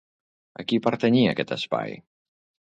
A qui pertanyia aquest espai?